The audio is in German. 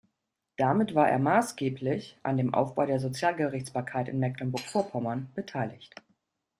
Damit war er maßgeblich an dem Aufbau der Sozialgerichtsbarkeit in Mecklenburg-Vorpommern beteiligt.